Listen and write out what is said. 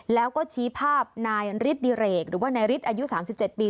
แล้วก็ชี้ภาพนายฤทธิเรกหรือว่านายฤทธิ์อายุ๓๗ปี